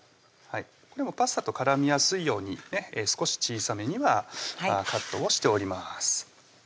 これもパスタと絡みやすいように少し小さめにはカットをしております